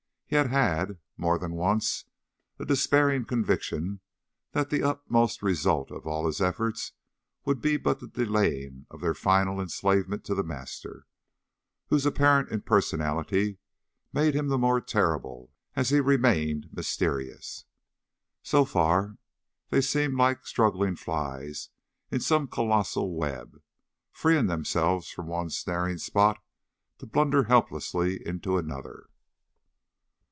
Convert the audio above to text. He had had, more than once, a despairing conviction that the utmost result of all his efforts would be but the delaying of their final enslavement to The Master, whose apparent impersonality made him the more terrible as he remained mysterious. So far they seemed like struggling flies in some colossal web, freeing themselves from one snaring spot to blunder helplessly into another.